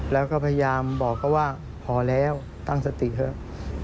แล้วก็พยายามบอกเขาว่าพอแล้วตั้งสติเถอะ